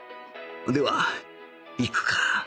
ではいくか